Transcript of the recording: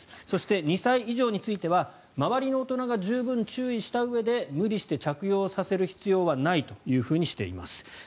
そして２歳以上については周りの大人が十分注意したうえで無理して着用させる必要はないとしています。